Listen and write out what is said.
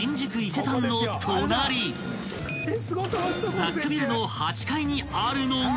［雑居ビルの８階にあるのが］